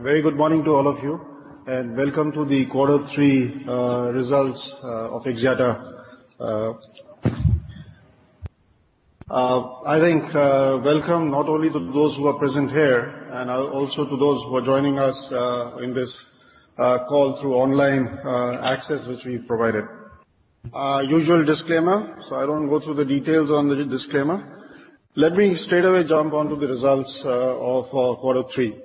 Very good morning to all of you. Welcome to the Quarter Three results of Axiata. I think welcome not only to those who are present here and also to those who are joining us in this call through online access, which we've provided. Usual disclaimer, I don't go through the details on the disclaimer. Let me straight away jump onto the results of Quarter Three.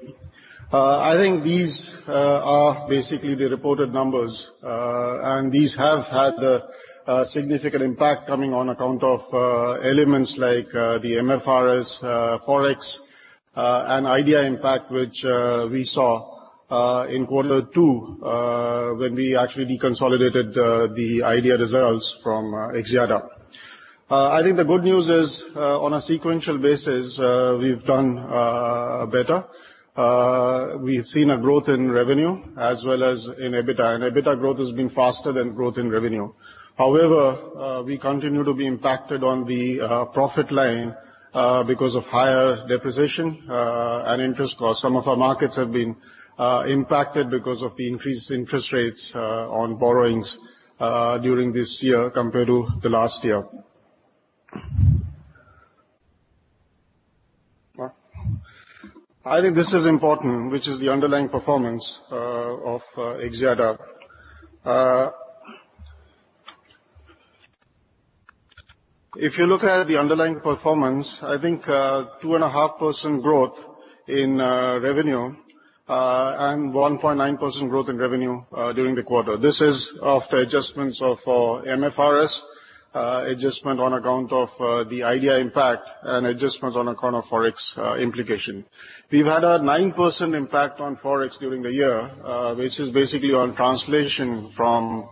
I think these are basically the reported numbers. These have had a significant impact coming on account of elements like the MFRS, Forex, and Idea impact which we saw in Quarter Two, when we actually deconsolidated the Idea results from Axiata. I think the good news is on a sequential basis, we've done better. We've seen a growth in revenue as well as in EBITDA. EBITDA growth has been faster than growth in revenue. However, we continue to be impacted on the profit line because of higher depreciation and interest costs. Some of our markets have been impacted because of the increased interest rates on borrowings during this year compared to the last year. I think this is important, which is the underlying performance of Axiata. If you look at the underlying performance, I think 2.5% growth in revenue, 1.9% growth in revenue during the quarter. This is after adjustments of MFRS, adjustment on account of the Idea impact. Adjustments on account of Forex implication. We've had a 9% impact on Forex during the year, which is basically on translation from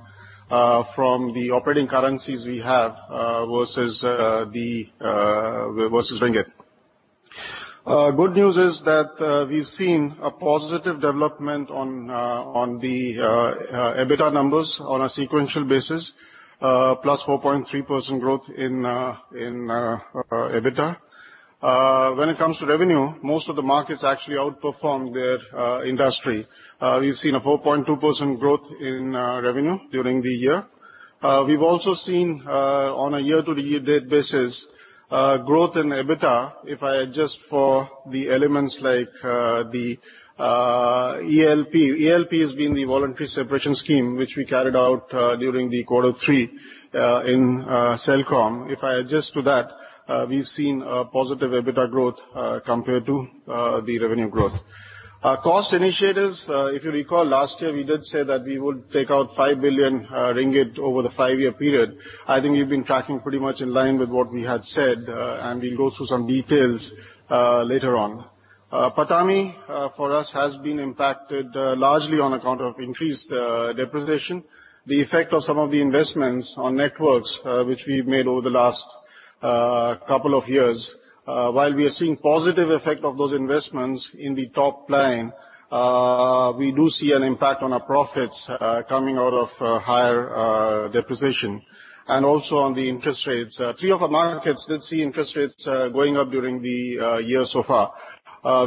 the operating currencies we have versus MYR. Good news is that we've seen a positive development on the EBITDA numbers on a sequential basis, +4.3% growth in EBITDA. When it comes to revenue, most of the markets actually outperformed their industry. We've seen a 4.2% growth in revenue during the year. We've also seen on a year-to-date basis, growth in EBITDA. If I adjust for the elements like the ELP. ELP has been the voluntary separation scheme which we carried out during the Quarter Three in Celcom. If I adjust to that, we've seen a positive EBITDA growth compared to the revenue growth. Cost initiatives, if you recall last year we did say that we would take out 5 billion ringgit over the five-year period. I think we've been tracking pretty much in line with what we had said, and we'll go through some details later on. PATAMI for us has been impacted largely on account of increased depreciation. The effect of some of the investments on networks which we've made over the last couple of years. While we are seeing positive effect of those investments in the top line, we do see an impact on our profits coming out of higher depreciation and also on the interest rates. Three of our markets did see interest rates going up during the year so far.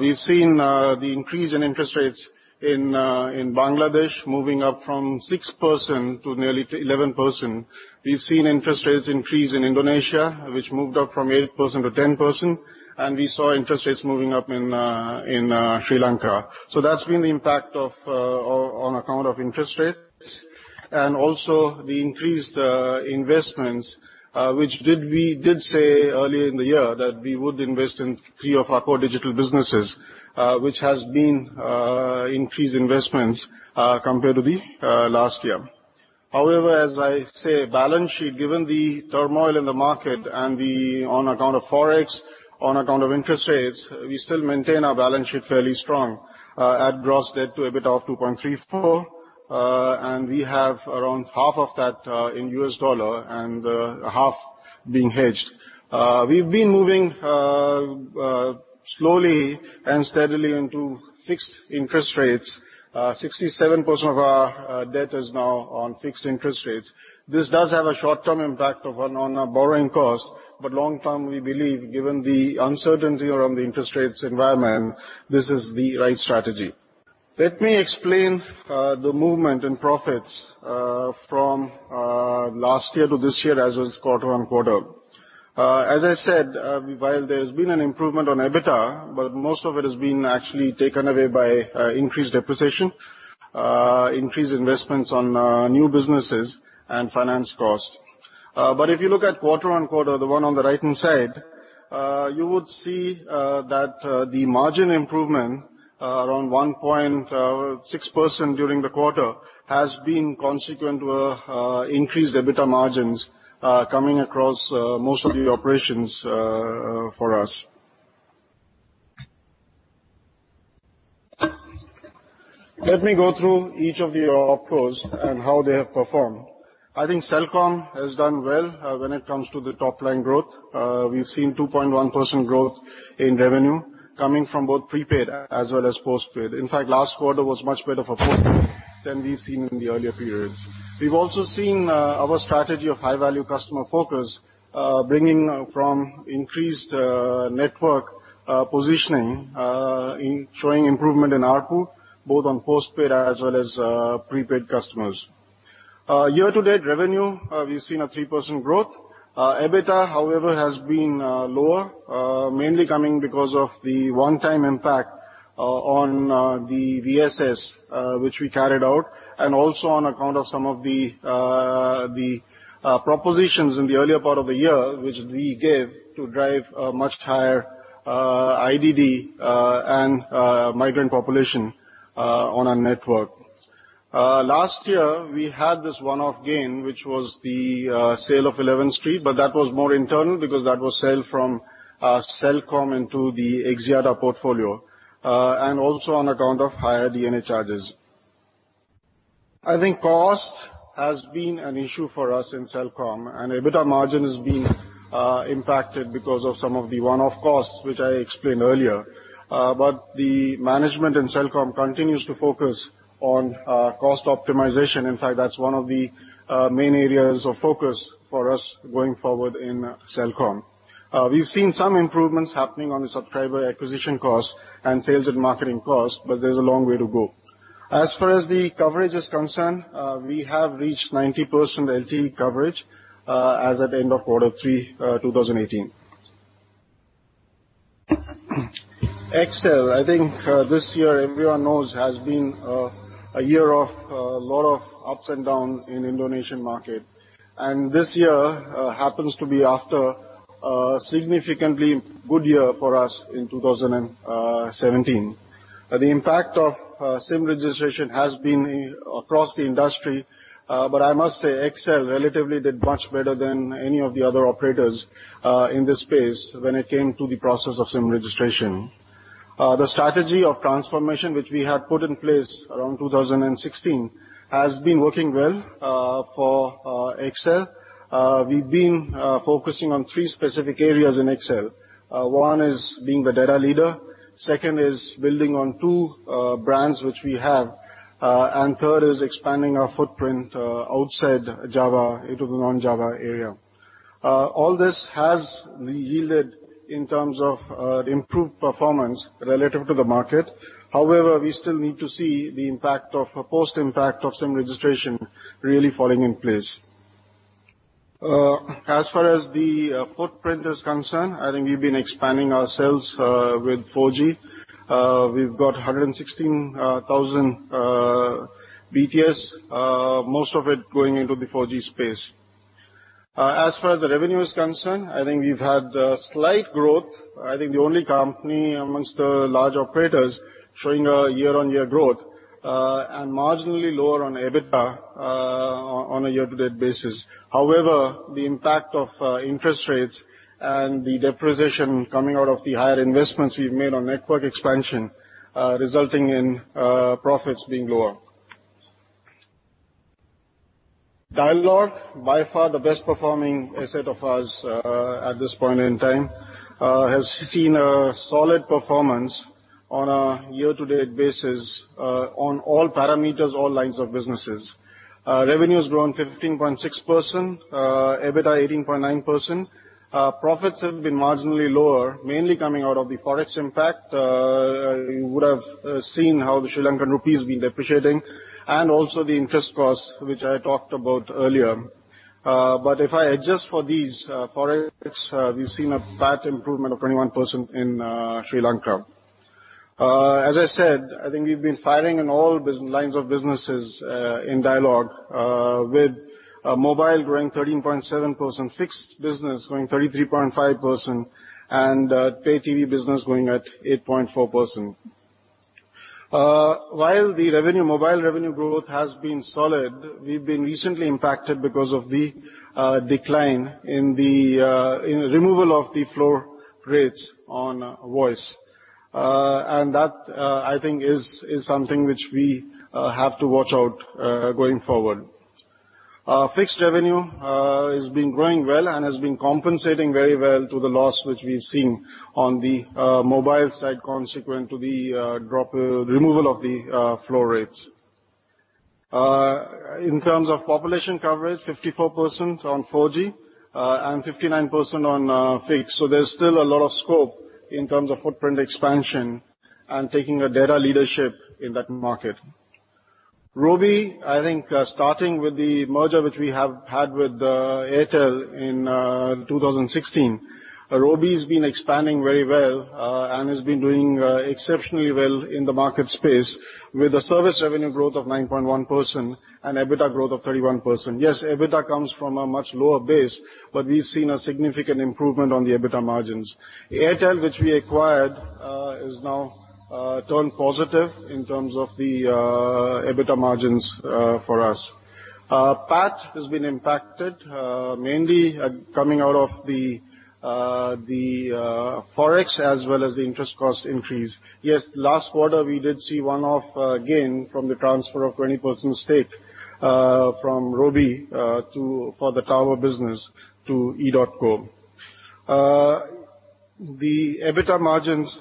We've seen the increase in interest rates in Bangladesh moving up from 6% to nearly 11%. We've seen interest rates increase in Indonesia, which moved up from 8% to 10%. We saw interest rates moving up in Sri Lanka. That's been the impact on account of interest rates and also the increased investments, which we did say earlier in the year that we would invest in three of our core digital businesses which has been increased investments compared to the last year. However, as I say, balance sheet, given the turmoil in the market and on account of Forex, on account of interest rates, we still maintain our balance sheet fairly strong at gross debt to EBITDA of 2.34. We have around half of that in US dollar and half being hedged. We've been moving slowly and steadily into fixed interest rates. 67% of our debt is now on fixed interest rates. This does have a short-term impact on our borrowing cost, but long term, we believe given the uncertainty around the interest rates environment, this is the right strategy. Let me explain the movement in profits from last year to this year as is quarter-on-quarter. As I said, while there's been an improvement on EBITDA, most of it has been actually taken away by increased depreciation, increased investments on new businesses, and finance cost. If you look at quarter-on-quarter, the one on the right-hand side, you would see that the margin improvement around 1.6% during the quarter has been consequent to increased EBITDA margins coming across most of the OpCos for us. Let me go through each of the OpCos and how they have performed. I think Celcom has done well when it comes to the top-line growth. We've seen 2.1% growth in revenue coming from both prepaid as well as postpaid. In fact, last quarter was much better for postpaid than we've seen in the earlier periods. We've also seen our strategy of high-value customer focus bringing from increased network positioning, showing improvement in ARPU both on postpaid as well as prepaid customers. Year-to-date revenue, we've seen a 3% growth. EBITDA, however, has been lower, mainly coming because of the one-time impact on the VSS, which we carried out, and also on account of some of the propositions in the earlier part of the year, which we gave to drive a much higher IDD and migrant population on our network. Last year, we had this one-off gain, which was the sale of 11street, but that was more internal because that was sold from Celcom into the Axiata portfolio, and also on account of higher D&A charges. I think cost has been an issue for us in Celcom, and EBITDA margin has been impacted because of some of the one-off costs, which I explained earlier. The management in Celcom continues to focus on cost optimization. In fact, that's one of the main areas of focus for us going forward in Celcom. We've seen some improvements happening on the subscriber acquisition cost and sales and marketing cost, but there's a long way to go. As far as the coverage is concerned, we have reached 90% LTE coverage as at the end of quarter three 2018. XL, I think this year everyone knows has been a year of a lot of ups and down in Indonesian market. This year happens to be after a significantly good year for us in 2017. The impact of SIM registration has been across the industry. I must say, XL relatively did much better than any of the other operators in this space when it came to the process of SIM registration. The strategy of transformation which we had put in place around 2016 has been working well for XL. We've been focusing on three specific areas in XL. One is being the data leader, second is building on two brands which we have, third is expanding our footprint outside Java into the non-Java area. All this has yielded in terms of improved performance relative to the market. We still need to see the post-impact of SIM registration really falling in place. As far as the footprint is concerned, I think we've been expanding ourselves with 4G. We've got 116,000 BTS, most of it going into the 4G space. As far as the revenue is concerned, I think we've had a slight growth. I think the only company amongst the large operators showing a year-on-year growth, marginally lower on EBITDA on a year-to-date basis. The impact of interest rates and the depreciation coming out of the higher investments we've made on network expansion, resulting in profits being lower. Dialog, by far the best performing asset of ours at this point in time, has seen a solid performance on a year-to-date basis on all parameters, all lines of businesses. Revenue has grown 15.6%, EBITDA 18.9%. Profits have been marginally lower, mainly coming out of the Forex impact. You would have seen how the Sri Lankan rupee has been depreciating, also the interest cost, which I talked about earlier. If I adjust for these Forex, we've seen a PAT improvement of 21% in Sri Lanka. As I said, I think we've been firing in all lines of businesses in Dialog, with mobile growing 13.7%, fixed business growing 33.5%, pay TV business growing at 8.4%. While the mobile revenue growth has been solid, we've been recently impacted because of the decline in the removal of the floor rates on voice. That, I think, is something which we have to watch out going forward. Fixed revenue has been growing well and has been compensating very well to the loss which we've seen on the mobile side consequent to the removal of the floor rates. In terms of population coverage, 54% on 4G and 59% on fixed. There's still a lot of scope in terms of footprint expansion and taking a data leadership in that market. Robi, I think, starting with the merger which we have had with Airtel in 2016, Robi's been expanding very well and has been doing exceptionally well in the market space with a service revenue growth of 9.1% and EBITDA growth of 31%. Yes, EBITDA comes from a much lower base, but we've seen a significant improvement on the EBITDA margins. Airtel, which we acquired, is now turned positive in terms of the EBITDA margins for us. PAT has been impacted, mainly coming out of the Forex as well as the interest cost increase. Yes, last quarter, we did see one-off gain from the transfer of 20% stake from Robi for the tower business to edotco. The EBITDA margins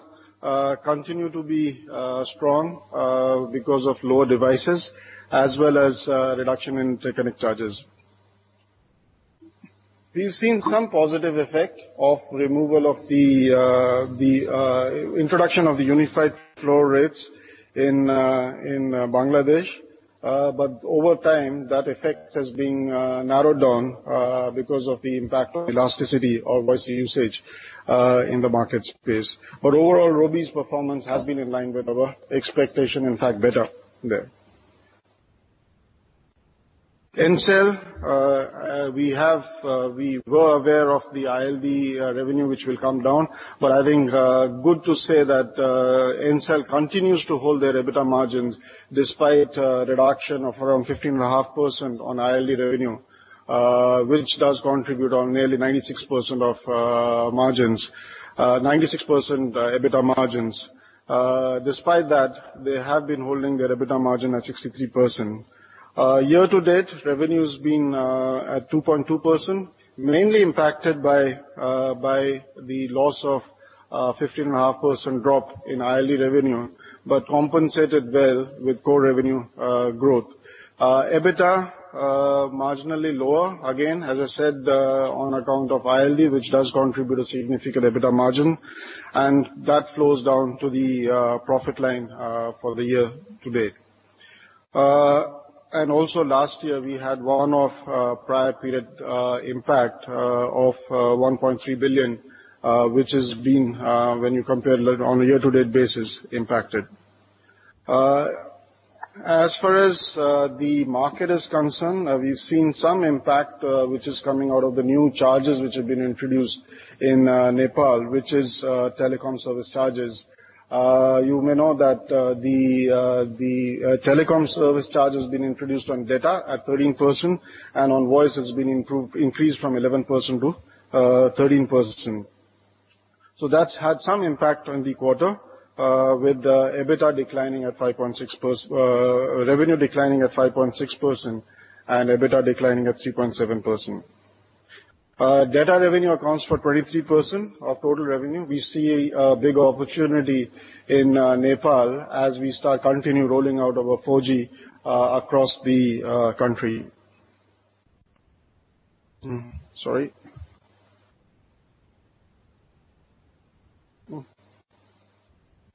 continue to be strong because of lower devices as well as reduction in interconnect charges. We've seen some positive effect of removal of the introduction of the unified floor rates in Bangladesh. Over time, that effect has been narrowed down because of the impact of elasticity of voice usage in the market space. Overall, Robi's performance has been in line with our expectation, in fact, better there. Ncell, we were aware of the ILD revenue, which will come down, but I think good to say that Ncell continues to hold their EBITDA margins despite a reduction of around 15.5% on ILD revenue, which does contribute on nearly 96% of margins. 96% EBITDA margins. Despite that, they have been holding their EBITDA margin at 63%. Year to date, revenue's been at 2.2%, mainly impacted by the loss of 15.5% drop in ILD revenue, but compensated well with core revenue growth. EBITDA, marginally lower. Again, as I said, on account of ILD, which does contribute a significant EBITDA margin, and that flows down to the profit line for the year to date. Last year, we had one-off prior period impact of 1.3 billion, which has been, when you compare on a year-to-date basis, impacted. As far as the market is concerned, we've seen some impact which is coming out of the new charges which have been introduced in Nepal, which is telecom service charges. You may know that the telecom service charge has been introduced on data at 13% and on voice has been increased from 11% to 13%. That's had some impact on the quarter, with revenue declining at 5.6% and EBITDA declining at 3.7%. Data revenue accounts for 23% of total revenue. We see a big opportunity in Nepal as we continue rolling out our 4G across the country. Sorry.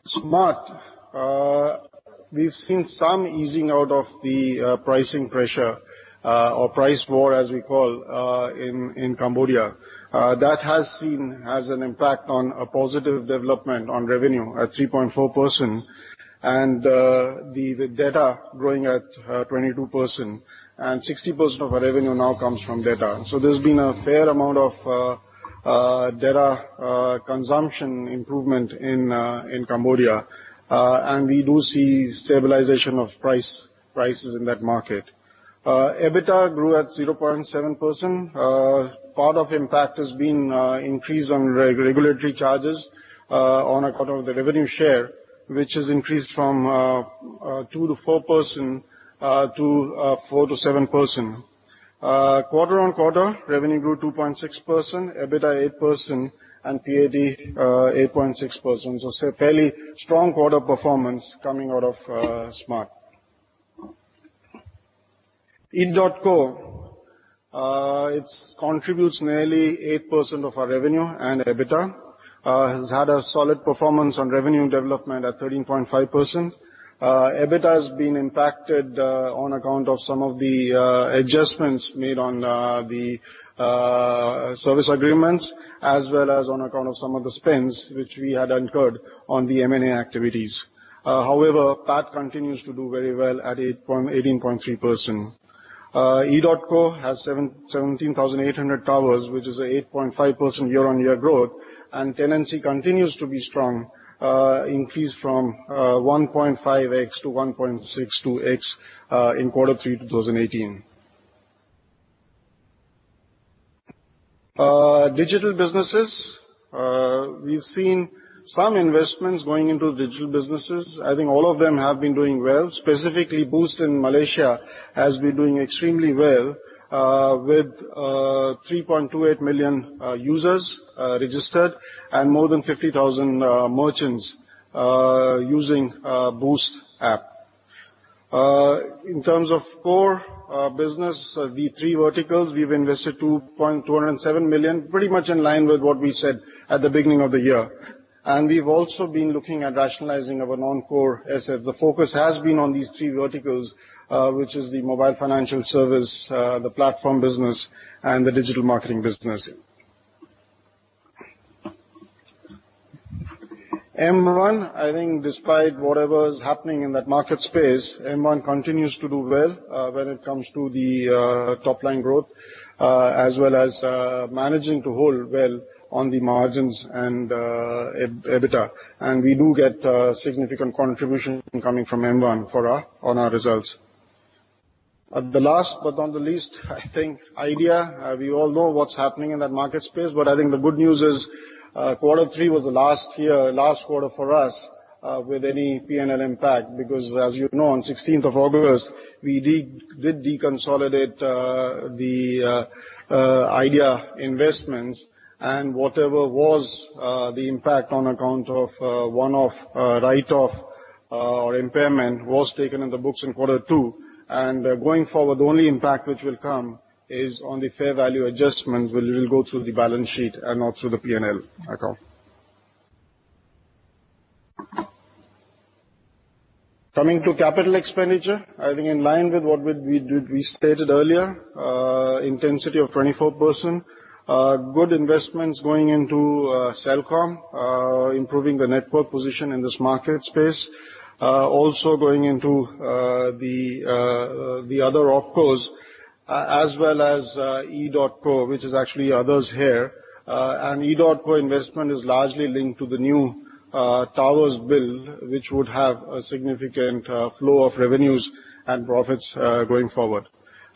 Smart. We've seen some easing out of the pricing pressure, or price war, as we call in Cambodia. That has an impact on a positive development on revenue at 3.4%, and the data growing at 22%, and 60% of our revenue now comes from data. There's been a fair amount of data consumption improvement in Cambodia. We do see stabilization of prices in that market. EBITDA grew at 0.7%. Part of impact has been increase on regulatory charges on account of the revenue share, which has increased from 2% to 4% to 4% to 7%. Quarter-on-quarter, revenue grew 2.6%, EBITDA 8%, and PAT 8.6%, so fairly strong quarter performance coming out of Smart. edotco. It contributes nearly 8% of our revenue and EBITDA. Has had a solid performance on revenue development at 13.5%. EBITDA has been impacted on account of some of the adjustments made on the service agreements as well as on account of some of the spends which we had incurred on the M&A activities. However, PAT continues to do very well at 18.3%. edotco has 17,800 towers, which is a 8.5% year-on-year growth and tenancy continues to be strong, increased from 1.5x-1.62x in quarter three to 2018. Digital businesses. We've seen some investments going into digital businesses. I think all of them have been doing well. Specifically, Boost in Malaysia has been doing extremely well with 3.28 million users registered and more than 50,000 merchants using Boost app. In terms of core business, the three verticals, we've invested 207 million, pretty much in line with what we said at the beginning of the year. We've also been looking at rationalizing our non-core assets. The focus has been on these three verticals, which is the mobile financial service, the platform business, and the digital marketing business. M1, I think despite whatever is happening in that market space, M1 continues to do well when it comes to the top line growth, as well as managing to hold well on the margins and EBITDA. We do get significant contribution coming from M1 on our results. Last but not the least, I think Idea. We all know what's happening in that market space, but I think the good news is quarter three was the last quarter for us with any P&L impact because as you know, on 16th of August, we did deconsolidate the Idea investments and whatever was the impact on account of one-off write-off or impairment was taken in the books in quarter two. Going forward, the only impact which will come is on the fair value adjustment, which will go through the balance sheet and not through the P&L account. Coming to capital expenditure, I think in line with what we stated earlier, intensity of 24%. Good investments going into Celcom, improving the network position in this market space. Also going into the other opcos, as well as edotco, which is actually others here. edotco investment is largely linked to the new towers build, which would have a significant flow of revenues and profits, going forward.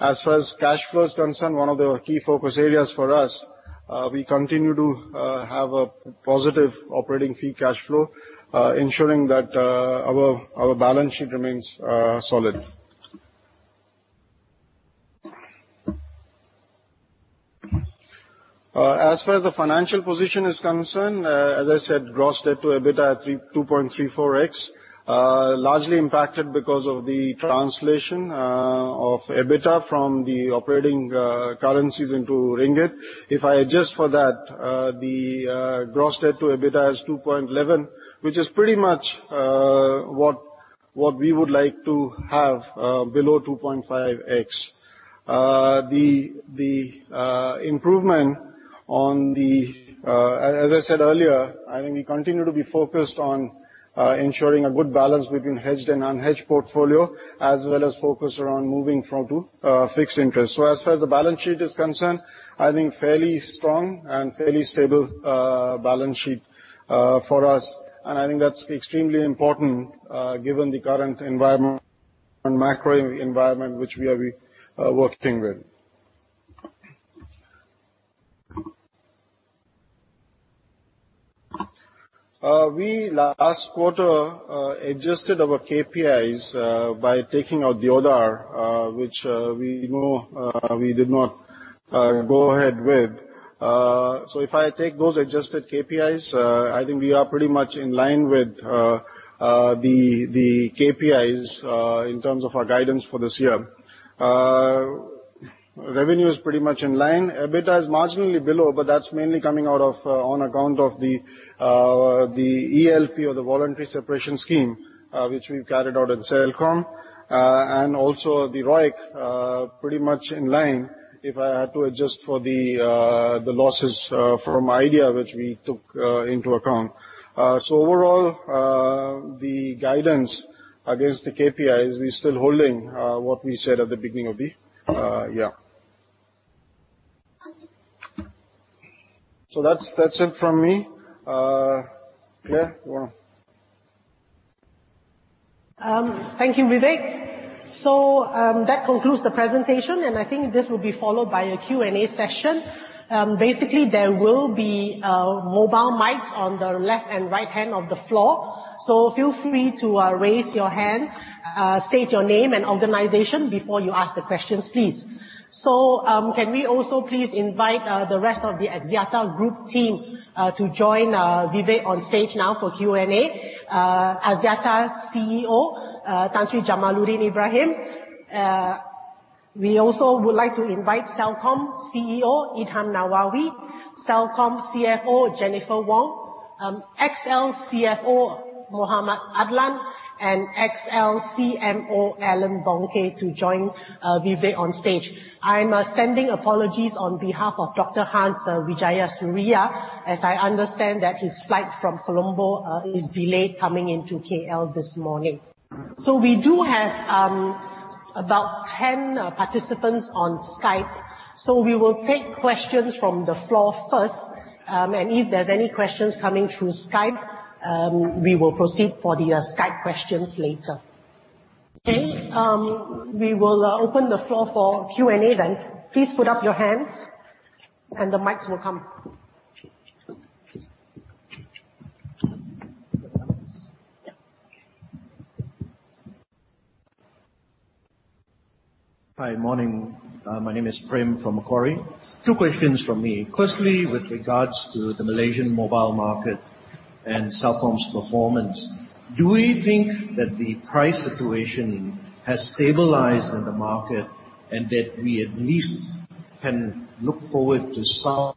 As far as cash flow is concerned, one of the key focus areas for us, we continue to have a positive operating free cash flow, ensuring that our balance sheet remains solid. As far as the financial position is concerned, as I said, gross debt to EBITDA at 2.34x, largely impacted because of the translation of EBITDA from the operating currencies into MYR. If I adjust for that, the gross debt to EBITDA is 2.11, which is pretty much what we would like to have below 2.5x. As I said earlier, I think we continue to be focused on ensuring a good balance between hedged and unhedged portfolio, as well as focused around moving from to fixed interest. As far as the balance sheet is concerned, I think fairly strong and fairly stable balance sheet for us, and I think that's extremely important given the current environment and macro environment which we are working with. We last quarter adjusted our KPIs by taking out the ODAR, which we know we did not go ahead with. If I take those adjusted KPIs, I think we are pretty much in line with the KPIs in terms of our guidance for this year. Revenue is pretty much in line. EBITDA is marginally below, but that's mainly coming out of on account of the ELP or the voluntary separation scheme, which we've carried out in Celcom. Also the ROIC, pretty much in line if I had to adjust for the losses from Idea, which we took into account. Overall, the guidance against the KPIs, we're still holding what we said at the beginning of the year. That's it from me. Clare? Thank you, Vivek. That concludes the presentation, and I think this will be followed by a Q&A session. There will be mobile mics on the left and right side of the floor, feel free to raise your hand. State your name and organization before you ask the questions, please. Can we also please invite the rest of the Axiata Group team to join Vivek on stage now for Q&A? Axiata CEO Tan Sri Jamaludin Ibrahim. We also would like to invite Celcom CEO Idham Nawawi, Celcom CFO Jennifer Wong, XL CFO Mohamed Adlan and XL CMO Allan Bonke to join Vivek on stage. I'm sending apologies on behalf of Dr. Hans Wijayasuriya, as I understand that his flight from Colombo is delayed coming into KL this morning. We do have about 10 participants on Skype. We will take questions from the floor first, and if there's any questions coming through Skype, we will proceed for the Skype questions later. We will open the floor for Q&A. Please put up your hands and the mics will come. Hi. Morning. My name is Prem from Macquarie. Two questions from me. Firstly, with regards to the Malaysian mobile market and Celcom's performance, do we think that the price situation has stabilized in the market, and that we at least can look forward to some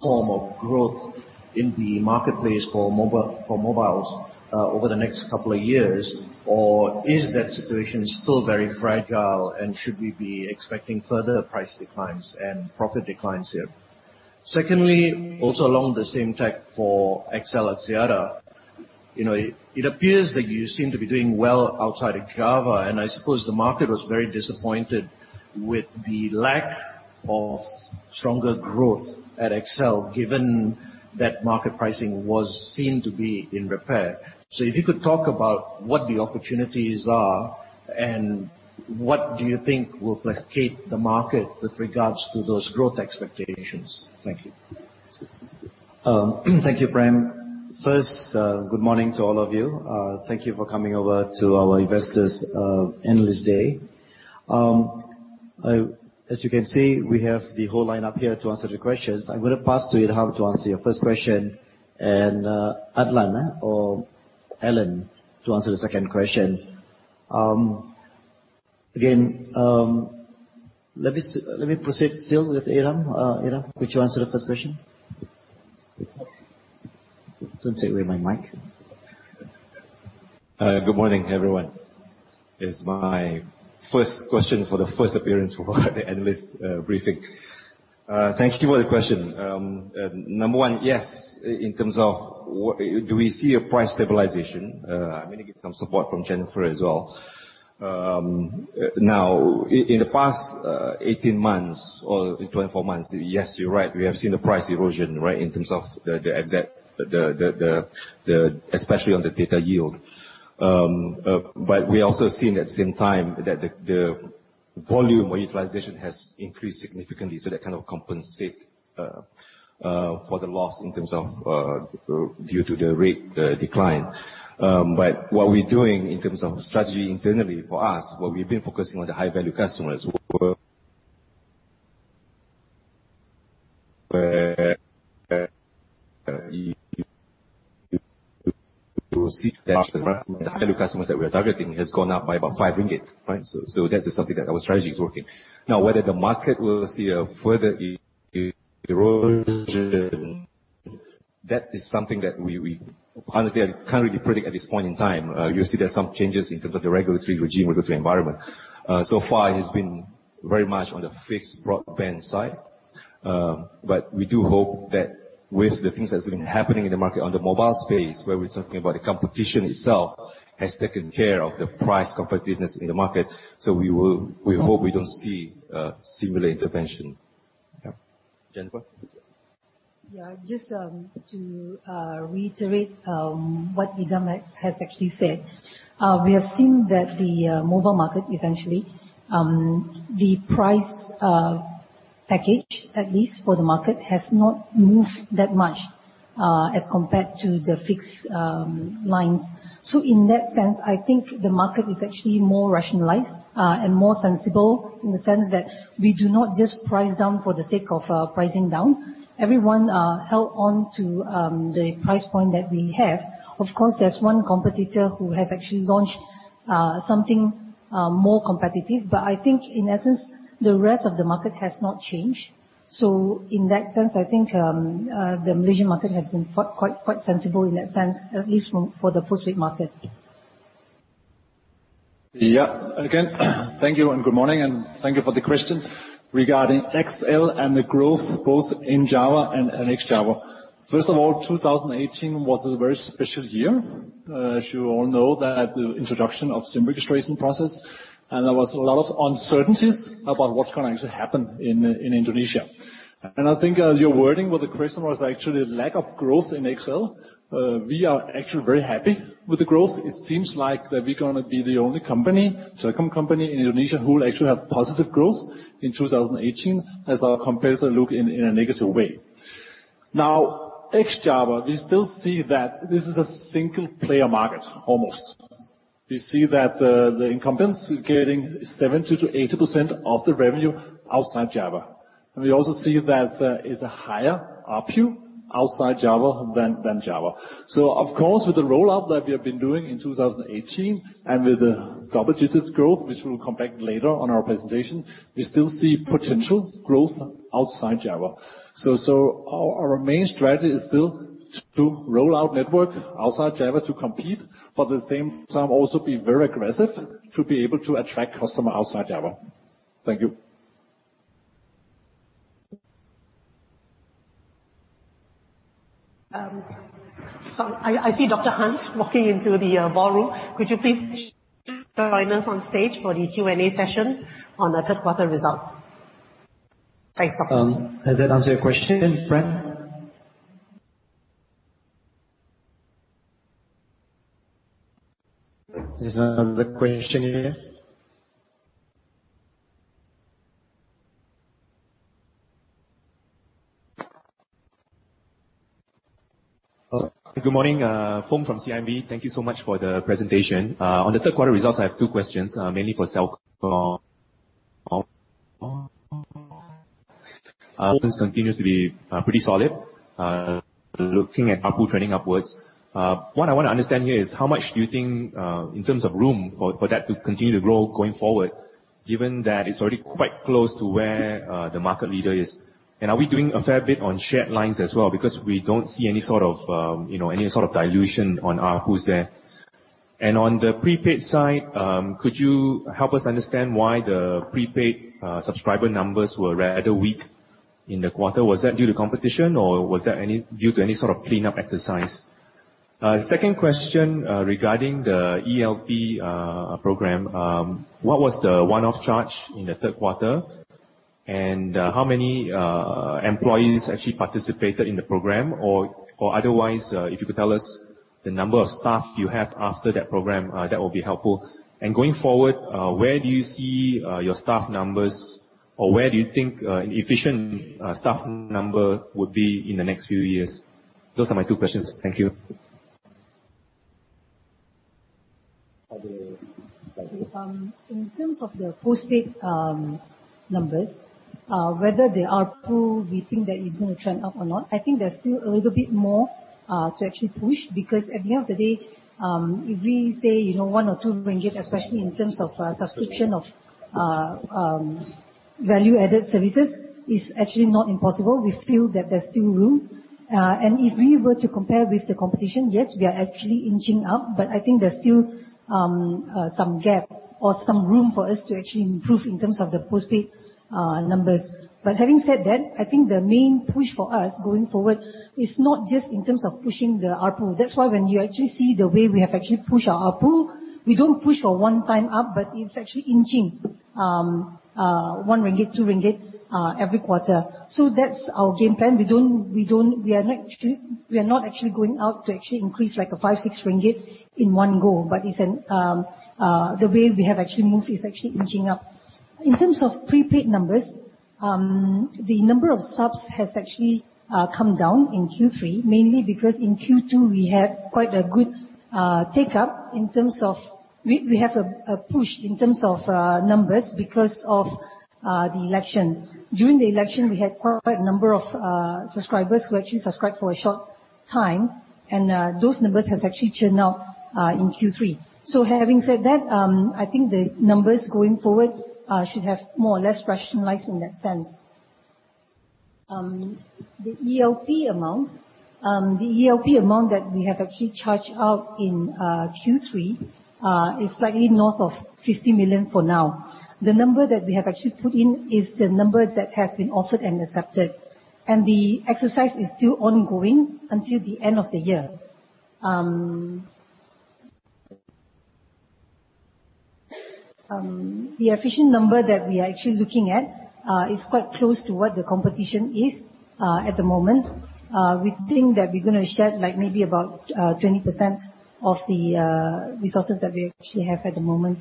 form of growth in the marketplace for mobiles over the next couple of years? Or is that situation still very fragile, and should we be expecting further price declines and profit declines here? Secondly, also along the same track for XL Axiata, it appears that you seem to be doing well outside of Java, and I suppose the market was very disappointed with the lack of stronger growth at XL given that market pricing was seen to be in repair. If you could talk about what the opportunities are, and what do you think will placate the market with regards to those growth expectations? Thank you. Thank you, Prem. First, good morning to all of you. Thank you for coming over to our investors analyst day. As you can see, we have the whole lineup here to answer the questions. I'm going to pass to Idham to answer your first question and Adlan or Allan to answer the second question. Let me proceed still with Idham. Idham, could you answer the first question? Don't take away my mic. Good morning, everyone. It's my first question for the first appearance for the analyst briefing. Thank you for the question. Number one, yes, in terms of do we see a price stabilization? I'm going to get some support from Jennifer as well. In the past 18 months or 24 months, yes, you're right. We have seen the price erosion, right, in terms of Especially on the data yield. We also have seen at the same time that the volume or utilization has increased significantly. That kind of compensate for the loss in terms of due to the rate decline. What we're doing in terms of strategy internally for us, what we've been focusing on the high-value customers, where you see that the high-value customers that we're targeting has gone up by about 5 ringgit, right? That is something that our strategy is working. Whether the market will see a further erosion, that is something that we honestly can't really predict at this point in time. You see there's some changes in terms of the regulatory regime, regulatory environment. So far, it's been very much on the fixed broadband side. We do hope that with the things that's been happening in the market on the mobile space, where we're talking about the competition itself, has taken care of the price competitiveness in the market. We hope we don't see similar intervention. Yeah. Jennifer? Just to reiterate what Idham has actually said. We have seen that the mobile market, essentially, the price package, at least for the market, has not moved that much, as compared to the fixed lines. In that sense, I think the market is actually more rationalized and more sensible in the sense that we do not just price down for the sake of pricing down. Everyone held on to the price point that we have. There's one competitor who has actually launched something more competitive, but I think in essence, the rest of the market has not changed. In that sense, I think the Malaysian market has been quite sensible in that sense, at least for the post-paid market. Thank you and good morning, and thank you for the question. Regarding XL and the growth both in Java and ex-Java. 2018 was a very special year. You all know that the introduction of SIM registration process, there was a lot of uncertainties about what's going to actually happen in Indonesia. I think your wording with the question was actually lack of growth in XL. We are actually very happy with the growth. It seems like that we're going to be the only telecom company in Indonesia who will actually have positive growth in 2018, as our competitor look in a negative way. Ex-Java, we still see that this is a single-player market almost. We see that the incumbents getting 70%-80% of the revenue outside Java. We also see that there is a higher ARPU outside Java than Java. With the rollout that we have been doing in 2018 and with the double-digit growth, which we'll come back later on our presentation, we still see potential growth outside Java. Our main strategy is still to roll out network outside Java to compete, but at the same time also be very aggressive to be able to attract customer outside Java. Thank you. I see Dr. Hans walking into the ballroom. Could you please join us on stage for the Q&A session on the third quarter results? Thanks, Dr. Hans. Has that answered your question, Frank? There's another question here. Good morning. Foong from CIMB. Thank you so much for the presentation. On the third quarter results, I have two questions, mainly for Celcom. Continues to be pretty solid. Looking at ARPU trending upwards. What I want to understand here is how much do you think, in terms of room for that to continue to grow going forward, given that it's already quite close to where the market leader is? Are we doing a fair bit on shared lines as well? Because we don't see any sort of dilution on ARPU there. On the prepaid side, could you help us understand why the prepaid subscriber numbers were rather weak in the quarter? Was that due to competition, or was that due to any sort of cleanup exercise? Second question regarding the ELP program. What was the one-off charge in the third quarter? How many employees actually participated in the program? Otherwise, if you could tell us the number of staff you have after that program, that would be helpful. Going forward, where do you see your staff numbers or where do you think an efficient staff number would be in the next few years? Those are my two questions. Thank you. In terms of the postpaid numbers, whether they are true, we think that is going to trend up or not. I think there's still a little bit more to actually push because at the end of the day, if we say 1 or 2 ringgit, especially in terms of subscription of value-added services, is actually not impossible. We feel that there's still room. If we were to compare with the competition, yes, we are actually inching up, but I think there's still some gap or some room for us to actually improve in terms of the postpaid numbers. Having said that, I think the main push for us going forward is not just in terms of pushing the ARPU. That's why when you actually see the way we have actually pushed our ARPU, we don't push for one time up, but it's actually inching 1 ringgit, 2 ringgit, every quarter. That's our game plan. We are not actually going out to increase like 5 ringgit, 6 ringgit in one go, but the way we have actually moved is actually inching up. In terms of prepaid numbers. The number of subs has actually come down in Q3, mainly because in Q2, we have quite a good take-up. We have a push in terms of numbers because of the election. During the election, we had quite a number of subscribers who actually subscribed for a short time, and those numbers have actually churned out in Q3. Having said that, I think the numbers going forward should have more or less rationalized in that sense. The ELP amount that we have actually charged out in Q3 is slightly north of 50 million for now. The number that we have actually put in is the number that has been offered and accepted. The exercise is still ongoing until the end of the year. The efficient number that we are actually looking at is quite close to what the competition is at the moment. We think that we're going to shed maybe about 20% of the resources that we actually have at the moment.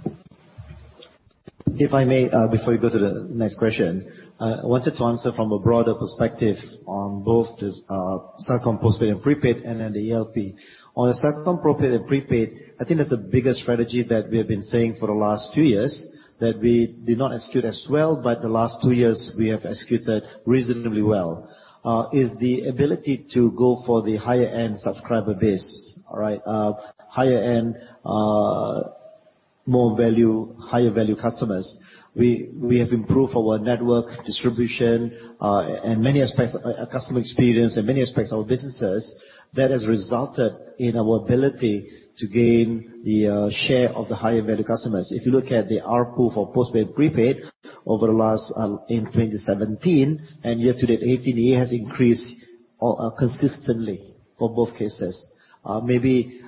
If I may before we go to the next question, I wanted to answer from a broader perspective on both the Celcom postpaid and prepaid and then the ELP. On the Celcom postpaid and prepaid, I think that's the biggest strategy that we have been saying for the last two years, that we did not execute as well, but the last two years we have executed reasonably well, is the ability to go for the higher-end subscriber base. Higher end, more value, higher value customers. We have improved our network distribution, customer experience, and many aspects of our businesses. That has resulted in our ability to gain the share of the higher value customers. If you look at the ARPU for postpaid and prepaid in 2017 and year to date 2018, it has increased consistently for both cases. Maybe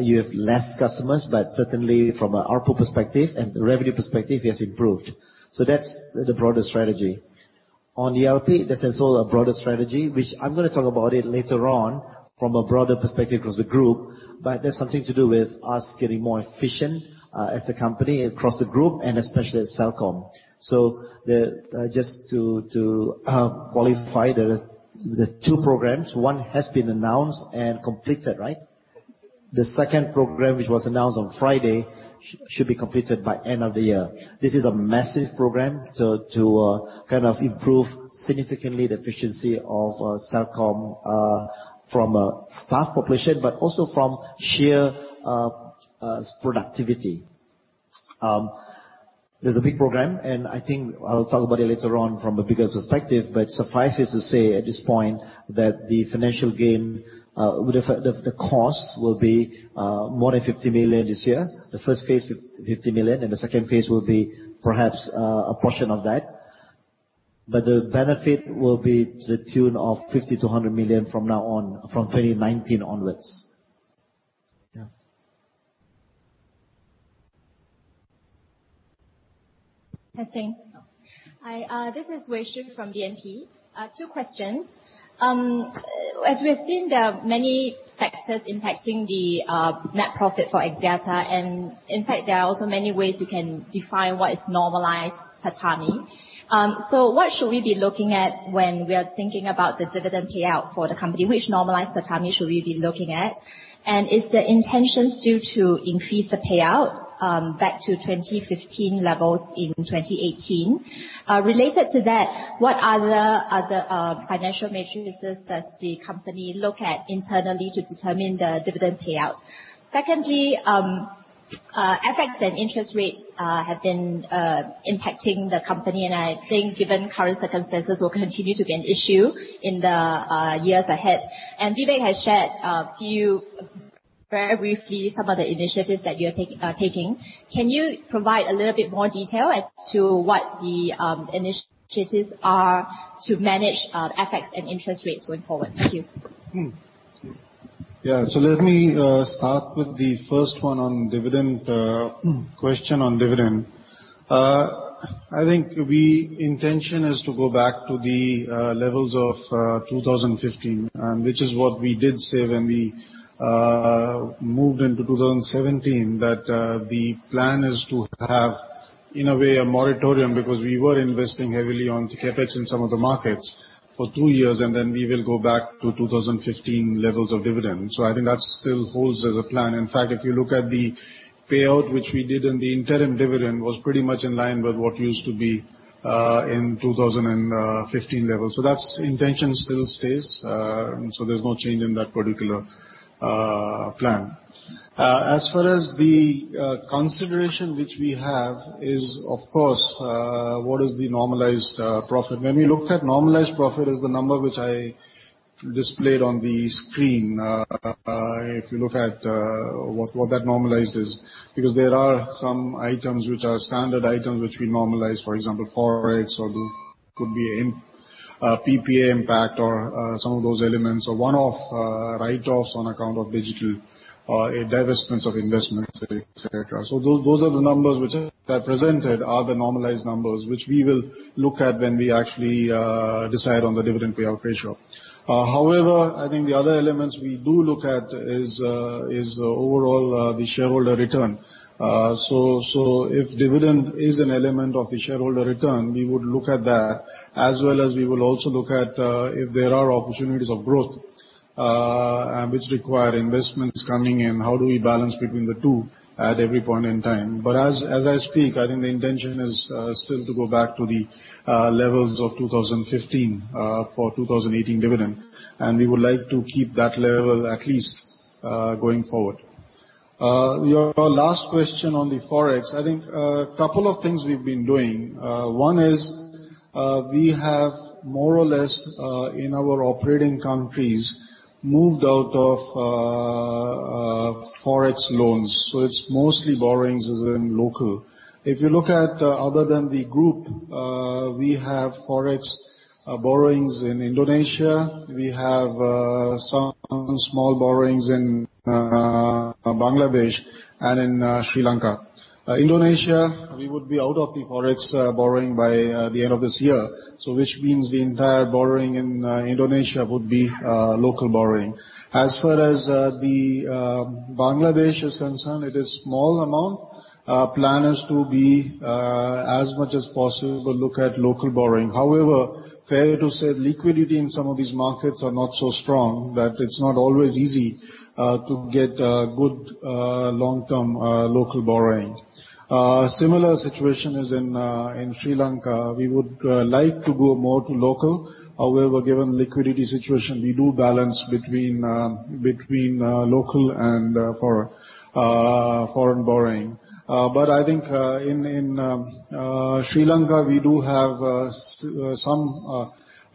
you have less customers, but certainly from an ARPU perspective and revenue perspective, it has improved. That's the broader strategy. On ELP, there's also a broader strategy, which I'm going to talk about later on from a broader perspective across the group. That's something to do with us getting more efficient as a company across the group and especially at Celcom. Just to qualify the two programs, one has been announced and completed, right? The second program, which was announced on Friday, should be completed by end of the year. This is a massive program to improve significantly the efficiency of Celcom from a staff population, but also from sheer productivity. It's a big program, and I think I'll talk about it later on from a bigger perspective. Suffice it to say at this point that the financial gain, the cost will be more than 50 million this year. The first phase, 50 million, and the second phase will be perhaps a portion of that. The benefit will be to the tune of 50 million-100 million from 2019 onwards. Hi, this is Wei Shu from BNP. Two questions. As we have seen, there are many factors impacting the net profit for Axiata, and in fact, there are also many ways you can define what is normalized PATAMI. What should we be looking at when we are thinking about the dividend payout for the company? Which normalized PATAMI should we be looking at? Is the intention still to increase the payout back to 2015 levels in 2018? Related to that, what other financial matrices does the company look at internally to determine the dividend payout? Secondly, FX and interest rates have been impacting the company, and I think given current circumstances, will continue to be an issue in the years ahead. Vivek has shared very briefly some of the initiatives that you are taking. Can you provide a little bit more detail as to what the initiatives are to manage FX and interest rates going forward? Thank you. Let me start with the first one on dividend, question on dividend. I think the intention is to go back to the levels of 2015, which is what we did say when we moved into 2017, that the plan is to have, in a way, a moratorium because we were investing heavily on the CapEx in some of the markets for two years, and then we will go back to 2015 levels of dividend. I think that still holds as a plan. In fact, if you look at the Payout which we did in the interim dividend was pretty much in line with what used to be in 2015 levels. That intention still stays, so there's no change in that particular plan. As far as the consideration which we have is, of course, what is the normalized profit. When we looked at normalized profit is the number which I displayed on the screen. If you look at what that normalized is, because there are some items which are standard items which we normalize. For example, Forex or could be PPA impact or some of those elements, or one-off write-offs on account of digital divestments of investments, et cetera. Those are the numbers which I presented are the normalized numbers, which we will look at when we actually decide on the dividend payout ratio. I think the other elements we do look at is overall the shareholder return. If dividend is an element of the shareholder return, we would look at that as well as we will also look at if there are opportunities of growth, which require investments coming in. How do we balance between the two at every point in time. As I speak, I think the intention is still to go back to the levels of 2015, for 2018 dividend, and we would like to keep that level at least, going forward. Your last question on the Forex, I think couple of things we've been doing. One is, we have more or less, in our operating countries, moved out of Forex loans. It's mostly borrowings is in local. If you look at other than the group, we have Forex borrowings in Indonesia. We have some small borrowings in Bangladesh and in Sri Lanka. Indonesia, we would be out of the Forex borrowing by the end of this year. Which means the entire borrowing in Indonesia would be local borrowing. As far as the Bangladesh is concerned, it is small amount. Plan is to be, as much as possible, look at local borrowing. Fair to say liquidity in some of these markets are not so strong that it's not always easy to get good long-term local borrowing. Similar situation is in Sri Lanka. We would like to go more to local. Given liquidity situation, we do balance between local and foreign borrowing. I think in Sri Lanka, we do have some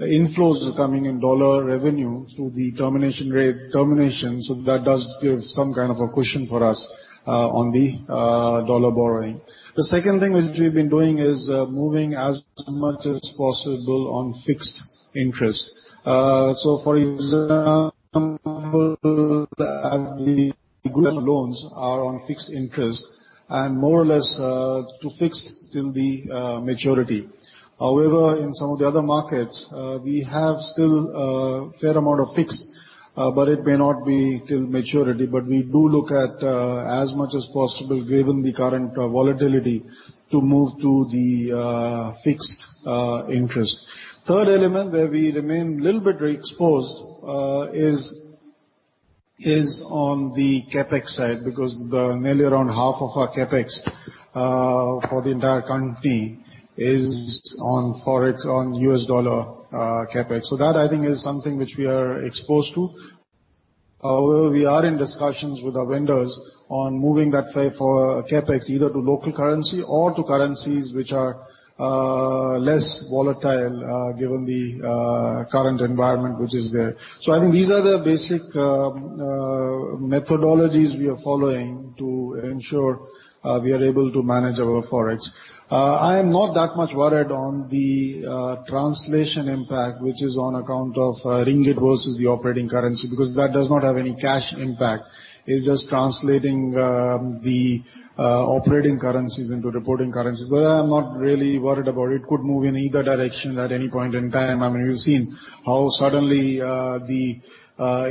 inflows coming in USD revenue through the termination rate termination, so that does give some kind of a cushion for us on the USD borrowing. The second thing which we've been doing is moving as much as possible on fixed interest. For example, the group loans are on fixed interest and more or less to fixed till the maturity. In some of the other markets, we have still a fair amount of fixed, but it may not be till maturity, but we do look at, as much as possible, given the current volatility, to move to the fixed interest. Third element where we remain little bit exposed is on the CapEx side because nearly around half of our CapEx for the entire country is on Forex, on USD CapEx. That I think is something which we are exposed to. We are in discussions with our vendors on moving that Forex CapEx either to local currency or to currencies which are less volatile given the current environment which is there. I think these are the basic methodologies we are following to ensure we are able to manage our Forex. I am not that much worried on the translation impact, which is on account of ringgit versus the operating currency, because that does not have any cash impact. It is just translating the operating currencies into reporting currencies. I am not really worried about it. It could move in either direction at any point in time. You have seen how suddenly the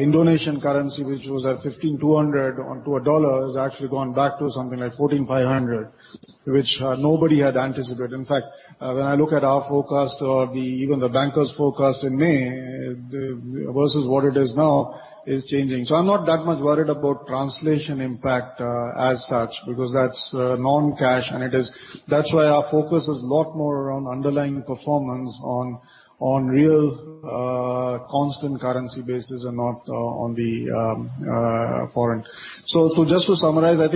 Indonesian currency, which was at 15,200 to a $, has actually gone back to something like 14,500, which nobody had anticipated. In fact, when I look at our forecast or even the bankers' forecast in May versus what it is now is changing. I am not that much worried about translation impact as such because that is non-cash, that is why our focus is lot more around underlying performance on real constant currency basis and not on the foreign. Just to summarize, I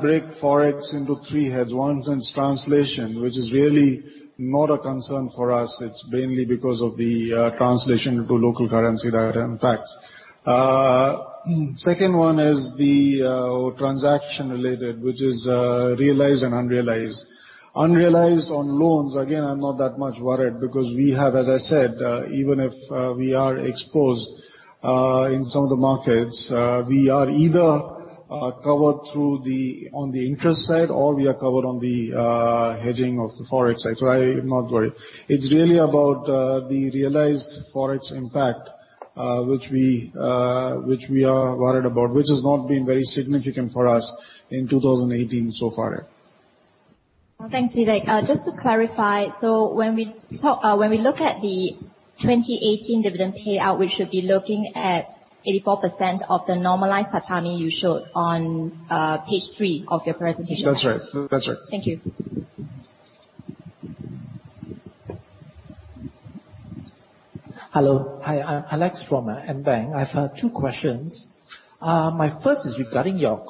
break Forex into three heads. One is translation, which is really not a concern for us. It is mainly because of the translation into local currency that it impacts. Second one is the transaction related, which is realized and unrealized. Unrealized on loans, again, I am not that much worried because we have, as I said, even if we are exposed in some of the markets, we are either covered through on the interest side, or we are covered on the hedging of the Forex side. I am not worried. It is really about the realized Forex impact, which we are worried about, which has not been very significant for us in 2018 so far. Thanks, Vivek. Just to clarify, when we look at the 2018 dividend payout, we should be looking at 84% of the normalized PATAMI you showed on page three of your presentation. That's right. Thank you. Hello. Hi, I'm Alex from AmBank. I have two questions. My first is regarding your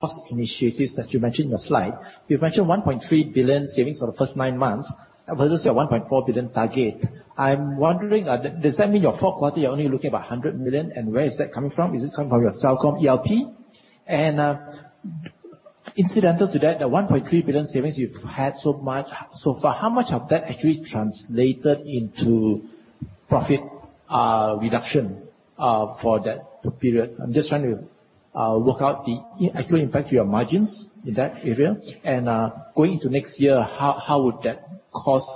cost initiatives that you mentioned in your slide. You've mentioned 1.3 billion savings for the first nine months versus your 1.4 billion target. I'm wondering, does that mean your fourth quarter, you're only looking about 100 million, and where is that coming from? Is this coming from your Celcom ELP? Incidental to that, the 1.3 billion savings you've had so far, how much of that actually translated into profit reduction for that period? I'm just trying to work out the actual impact to your margins in that area. Going into next year, how would that cost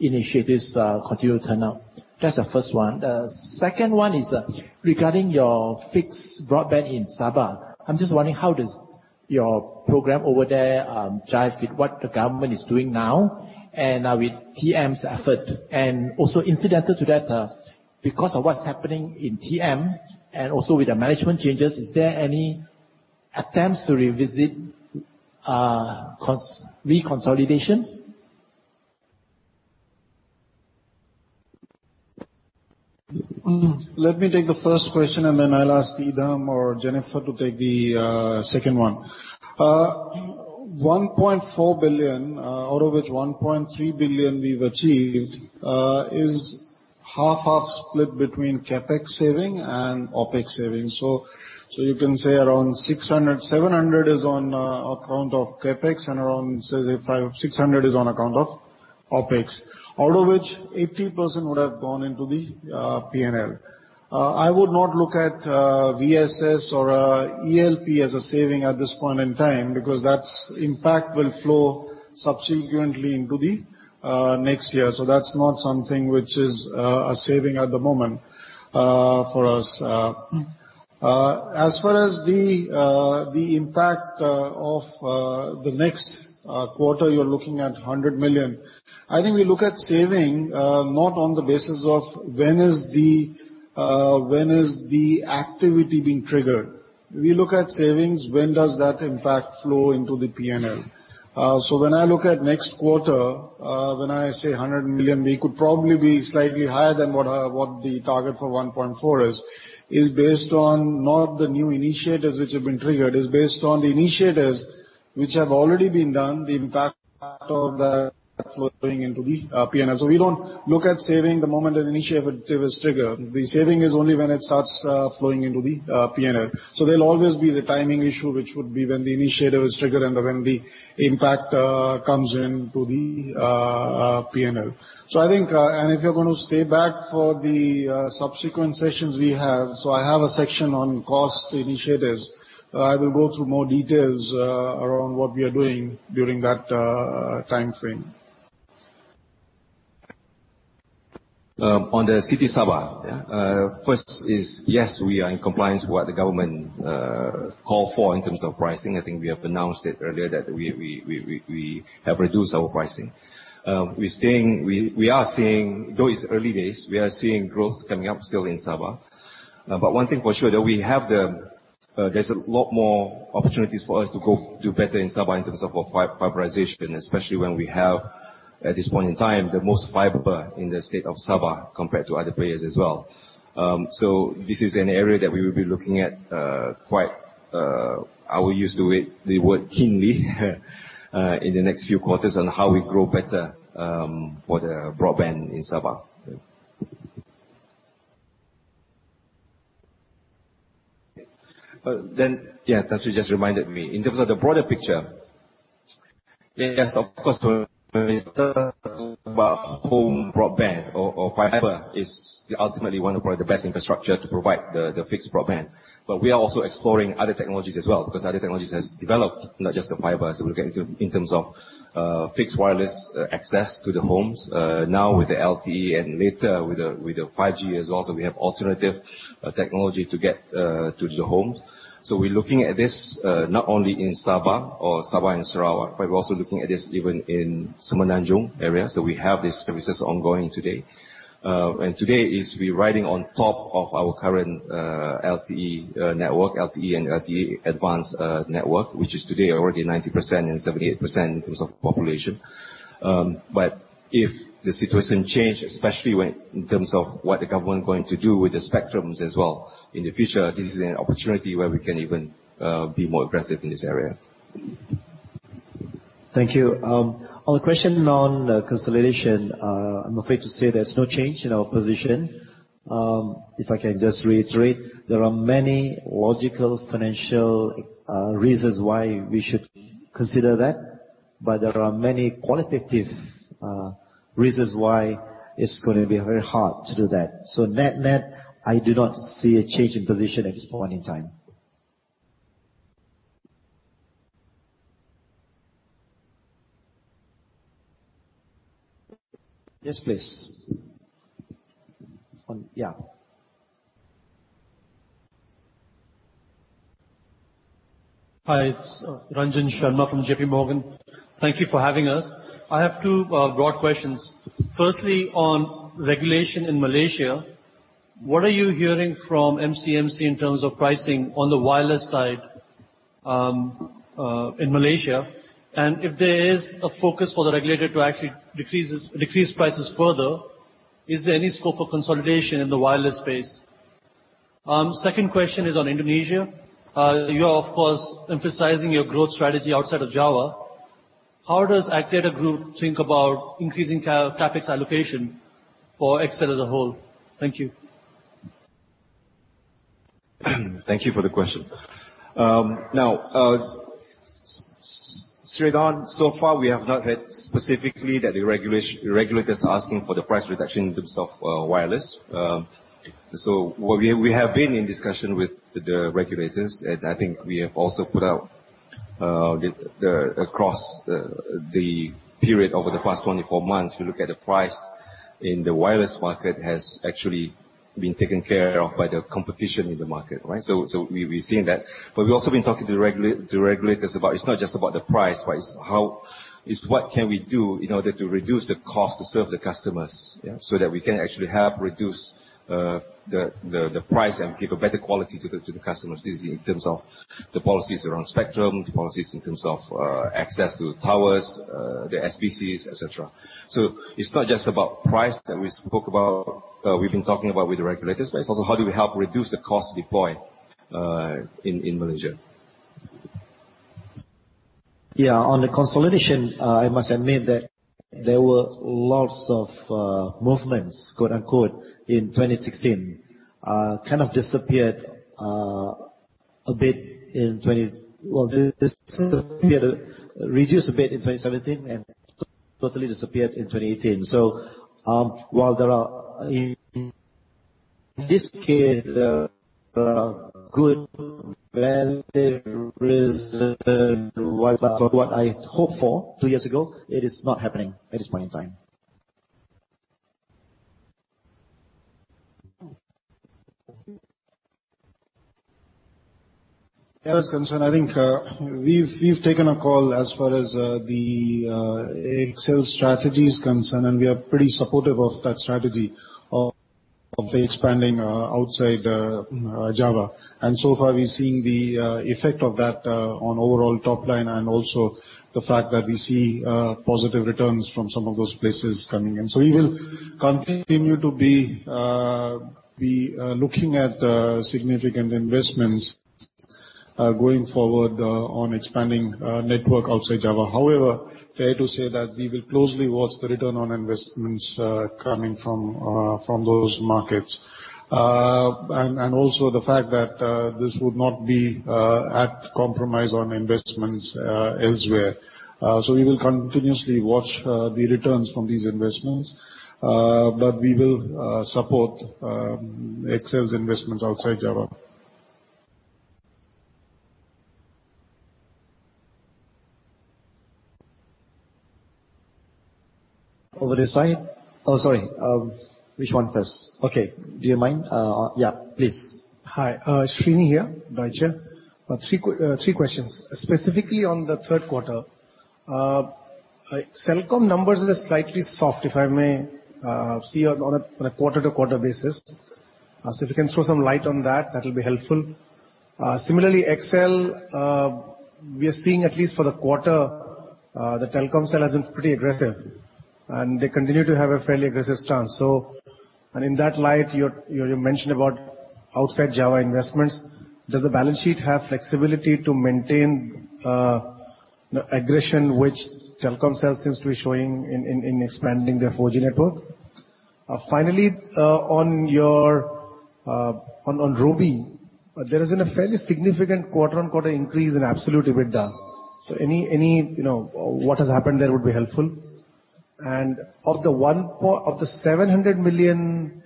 initiatives continue to turn out? That's the first one. The second one is regarding your fixed broadband in Sabah. I'm just wondering, how does your program over there jive with what the government is doing now and now with TM's effort? Also incidental to that, because of what's happening in TM and also with the management changes, is there any attempts to revisit reconsolidation? Let me take the first question, and then I'll ask Idham or Jennifer to take the second one. 1.4 billion, out of which 1.3 billion we've achieved, is half-half split between CapEx saving and OpEx savings. You can say around 600 million, 700 million is on account of CapEx and around, say, 500 million, 600 million is on account of OpEx, out of which 80% would have gone into the P&L. I would not look at VSS or ELP as a saving at this point in time because that impact will flow subsequently into the next year. That's not something which is a saving at the moment for us. As far as the impact of the next quarter, you're looking at 100 million. I think we look at saving, not on the basis of when is the activity being triggered. We look at savings, when does that impact flow into the P&L? When I look at next quarter, when I say 100 million, we could probably be slightly higher than what the target for 1.4 billion is. It's based on not the new initiatives which have been triggered, it's based on the initiatives which have already been done, the impact of that flowing into the P&L. We don't look at saving the moment an initiative is triggered. The saving is only when it starts flowing into the P&L. If you're going to stay back for the subsequent sessions we have, I have a section on cost initiatives. I will go through more details around what we are doing during that timeframe. On the city Sabah. Yeah. First is, yes, we are in compliance with what the government call for in terms of pricing. I think we have announced it earlier that we have reduced our pricing. Though it's early days, we are seeing growth coming up still in Sabah. One thing for sure, there's a lot more opportunities for us to go do better in Sabah in terms of fiberization, especially when we have, at this point in time, the most fiber in the state of Sabah compared to other players as well. This is an area that we will be looking at quite, I will use the word keenly in the next few quarters on how we grow better for the broadband in Sabah. Yeah, Asri just reminded me. In terms of the broader picture, yes, of course, home broadband or fiber is ultimately one of, probably, the best infrastructure to provide the fixed broadband. We are also exploring other technologies as well, because other technologies has developed, not just the fiber. We're looking into in terms of fixed wireless access to the homes, now with the LTE and later with the 5G as well. We have alternative technology to get to the home. We're looking at this, not only in Sabah or Sabah and Sarawak, but we're also looking at this even in Semenanjung area. We have these services ongoing today. Today is we're riding on top of our current LTE network, LTE and LTE Advanced network, which is today already 90% and 78% in terms of population. If the situation change, especially in terms of what the government going to do with the spectrums as well in the future, this is an opportunity where we can even be more aggressive in this area. Thank you. On the question on consolidation, I'm afraid to say there's no change in our position. If I can just reiterate, there are many logical financial reasons why we should consider that, there are many qualitative reasons why it's going to be very hard to do that. Net-net, I do not see a change in position at this point in time. Yes, please. Yeah. Hi, it's Ranjan Sharma from JP Morgan. Thank you for having us. I have two broad questions. Firstly, on regulation in Malaysia, what are you hearing from MCMC in terms of pricing on the wireless side in Malaysia? If there is a focus for the regulator to actually decrease prices further, is there any scope for consolidation in the wireless space? Second question is on Indonesia. You are, of course, emphasizing your growth strategy outside of Java. How does Axiata Group think about increasing CapEx allocation for XL as a whole? Thank you. Thank you for the question. Straight on, so far, we have not heard specifically that the regulators are asking for the price reduction in terms of wireless. We have been in discussion with the regulators, and I think we have also put out across the period over the past 24 months, if you look at the price in the wireless market, has actually been taken care of by the competition in the market, right? We've seen that. We've also been talking to regulators about it's not just about the price, but it's what can we do in order to reduce the cost to serve the customers? That we can actually help reduce the price and give a better quality to the customers, this is in terms of the policies around spectrum, the policies in terms of access to towers, the SPCs, et cetera. It's not just about price that we've been talking about with the regulators, but it's also how do we help reduce the cost to deploy in Malaysia. On the consolidation, I must admit that there were lots of movements, quote, unquote, in 2016. Kind of disappeared a bit in 2017 and totally disappeared in 2018. While there are, in this case, there are good valid reasons why, but from what I hoped for two years ago, it is not happening at this point in time. As concerned, I think we've taken a call as far as the XL strategy is concerned, we are pretty supportive of that strategy of expanding outside Java. So far, we're seeing the effect of that on overall top line and also the fact that we see positive returns from some of those places coming in. We will continue to be looking at significant investments going forward on expanding network outside Java. However, fair to say that we will closely watch the return on investments coming from those markets. Also the fact that this would not be at compromise on investments elsewhere. We will continuously watch the returns from these investments, but we will support XL's investments outside Java. Over this side. Oh, sorry. Which one first? Okay, do you mind? Yeah, please. Hi. Srini here, Deutsche. Three questions. Specifically on the third quarter. Celcom numbers were slightly soft, if I may see on a quarter-over-quarter basis. If you can throw some light on that'll be helpful. Similarly, XL, we are seeing at least for the quarter, Telkomsel has been pretty aggressive, and they continue to have a fairly aggressive stance. In that light, you mentioned about outside Java investments. Does the balance sheet have flexibility to maintain aggression which Telkomsel seems to be showing in expanding their 4G network? Finally, on Robi, there has been a fairly significant quarter-on-quarter increase in absolute EBITDA. Any, what has happened there would be helpful. And of the 700 million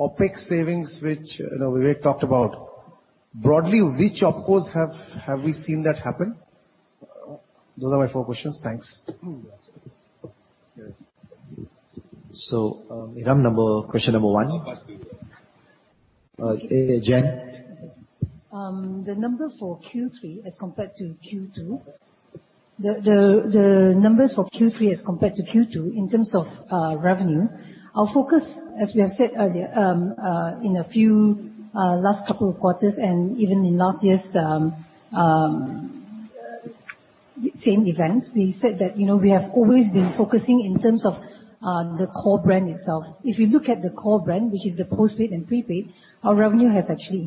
OpEx savings, which Vivek talked about, broadly which OpEx have we seen that happen? Those are my four questions. Thanks. Idham, question number one? Question one. Jen? The number for Q3 as compared to Q2. The numbers for Q3 as compared to Q2 in terms of revenue, our focus, as we have said earlier, in a few last couple of quarters and even in last year's same event, we said that we have always been focusing in terms of the core brand itself. If you look at the core brand, which is the postpaid and prepaid, our revenue has actually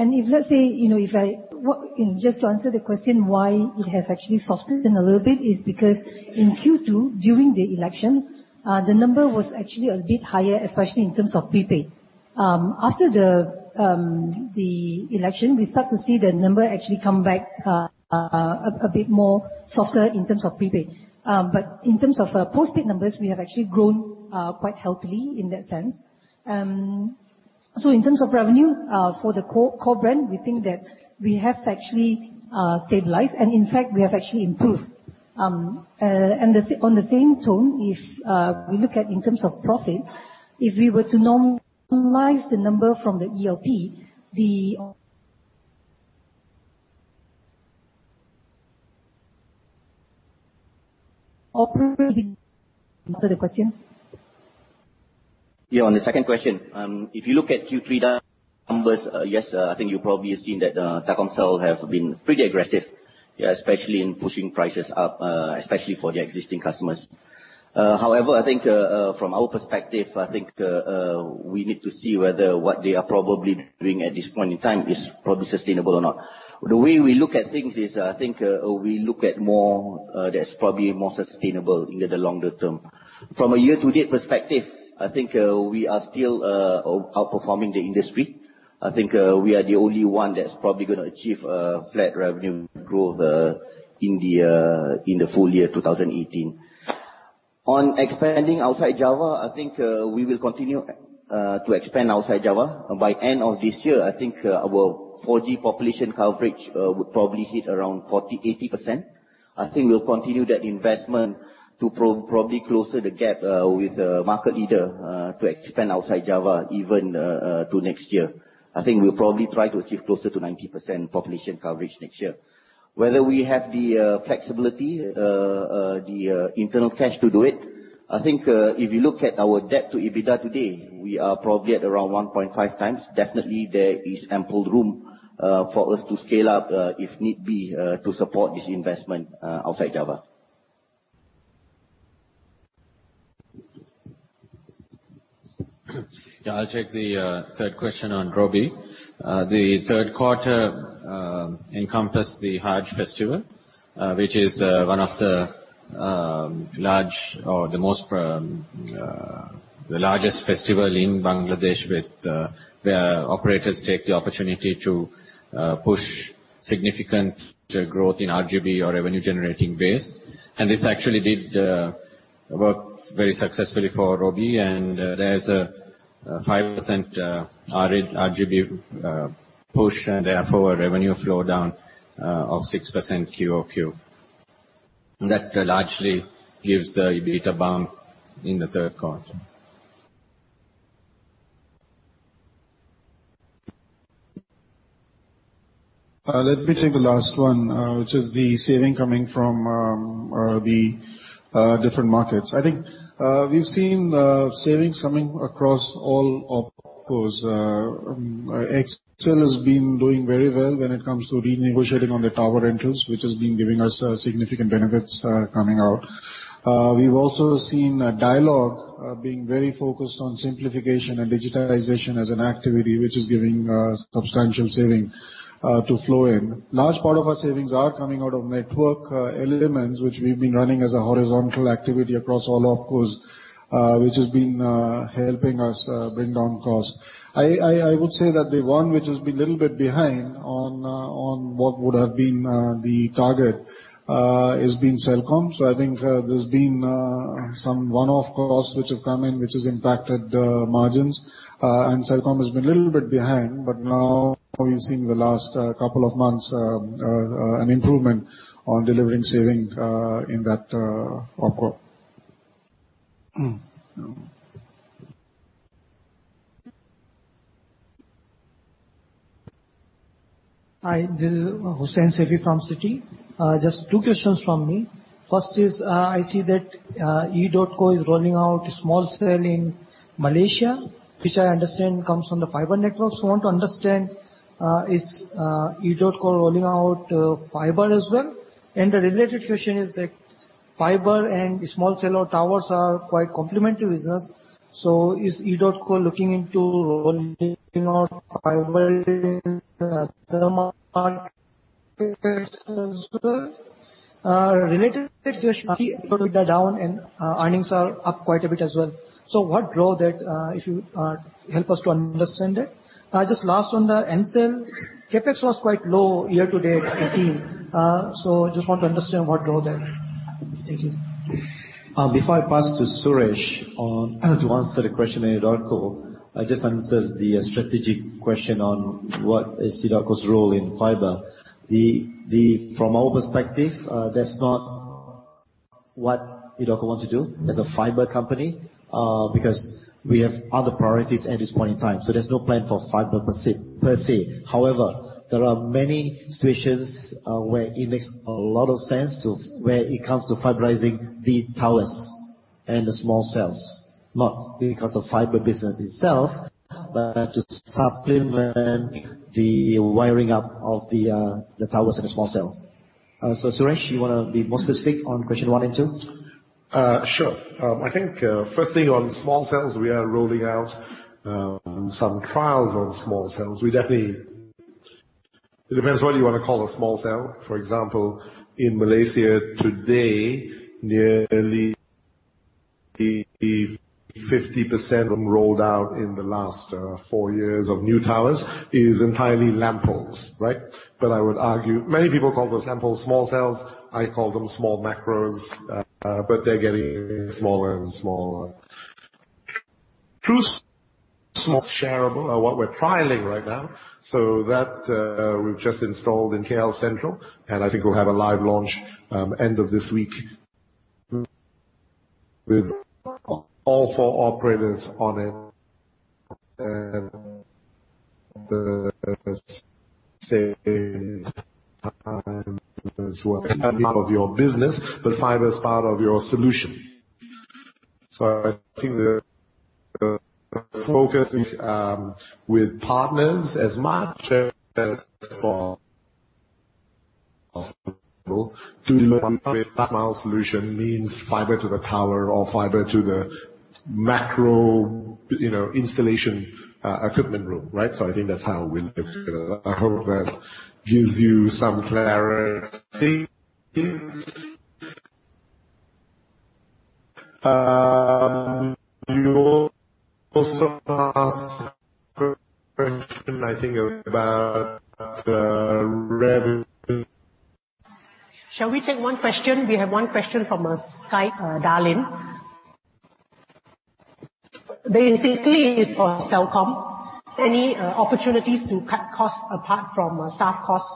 increased. If, let's say, just to answer the question why it has actually softened a little bit is because in Q2, during the election, the number was actually a bit higher, especially in terms of prepaid. After the election, we start to see the number actually come back a bit more softer in terms of prepaid. In terms of postpaid numbers, we have actually grown quite healthily in that sense. In terms of revenue for the core brand, we think that we have actually stabilized, and in fact, we have actually improved. On the same tone, if we look at in terms of profit, if we were to normalize the number from the ELP, the answer the question? Yeah. On the second question, if you look at Q3 numbers, yes, I think you probably have seen that Telkomsel have been pretty aggressive, especially in pushing prices up, especially for their existing customers. I think from our perspective, I think we need to see whether what they are probably doing at this point in time is probably sustainable or not. The way we look at things is, I think we look at more, that's probably more sustainable in the longer term. From a year-to-date perspective, I think we are still outperforming the industry. I think we are the only one that's probably going to achieve a flat revenue growth in the full year 2018. On expanding outside Java, I think we will continue to expand outside Java. By end of this year, I think our 4G population coverage will probably hit around 80%. I think we'll continue that investment to probably closer the gap with the market leader to expand outside Java even to next year. I think we'll probably try to achieve closer to 90% population coverage next year. Whether we have the flexibility, the internal cash to do it, I think if you look at our debt to EBITDA today, we are probably at around 1.5 times. Definitely, there is ample room for us to scale up if need be to support this investment outside Java. Yeah, I'll take the third question on Robi. The third quarter encompassed the Hajj festival, which is one of the largest festival in Bangladesh with the operators take the opportunity to push significant growth in RGB or revenue generating base. This actually did work very successfully for Robi, and there's a 5% RGB push, and therefore a revenue flow down of 6% QoQ. That largely gives the EBITDA bump in the third quarter. Let me take the last one, which is the saving coming from the different markets. I think we've seen savings coming across all opcos. XL has been doing very well when it comes to renegotiating on the tower rentals, which has been giving us significant benefits coming out. We've also seen Dialog being very focused on simplification and digitization as an activity which is giving substantial saving to flow in. Large part of our savings are coming out of network elements, which we've been running as a horizontal activity across all opcos which has been helping us bring down costs. I would say that the one which has been little bit behind on what would have been the target has been Celcom. I think there's been some one-off costs which have come in, which has impacted margins. Celcom has been a little bit behind, but now we've seen the last couple of months an improvement on delivering savings in that opco. Hi, this is Hussein Safi from Citi. Just two questions from me. First is, I see that edotco is rolling out small cell in Malaysia, which I understand comes from the fiber network. I want to understand is edotco rolling out fiber as well? The related question is that fiber and small cell or towers are quite complementary business. Is edotco looking into rolling out fiber in the market as well? Related to that question, EBITDA down and earnings are up quite a bit as well. What drove that, if you help us to understand it? Just last one there, Ncell, CapEx was quite low year to date 2018. Just want to understand what drove that. Thank you. Before I pass to Suresh to answer the question on edotco, I just answered the strategic question on what is edotco's role in fiber. From our perspective, that's not what edotco wants to do as a fiber company because we have other priorities at this point in time. There's no plan for fiber per se. However, there are many situations where it makes a lot of sense to where it comes to fiberizing the towers and the small cells. Not because of fiber business itself, but to supplement the wiring up of the towers and the small cell. Suresh, you want to be more specific on question one and two? Sure. I think first thing on small cells, we are rolling out some trials on small cells. It depends what you want to call a small cell. For example, in Malaysia today, nearly 50% rolled out in the last four years of new towers is entirely lamp posts, right? I would argue many people call those lamp posts small cells. I call them small macros, but they're getting smaller and smaller True shareable are what we're trialing right now. That, we've just installed in KL Sentral, I think we'll have a live launch end of this week. With all four operators on it, the part of your business, fiber is part of your solution. I think the focus with partners as much as for solution means fiber to the tower or fiber to the macro installation equipment room. I think that's how we'll look at it. I hope that gives you some clarity. You also asked a question, I think, about revenue. Shall we take one question? We have one question from the side, Darlene. Basically, it's for Celcom. Any opportunities to cut costs apart from staff costs,